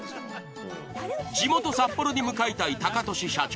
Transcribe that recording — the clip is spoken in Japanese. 地元札幌に向かいたいタカトシ社長。